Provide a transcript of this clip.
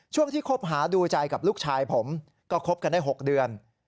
ช่วงที่คบหาดูใจกับลูกชายผมก็คบกันได้๖เดือน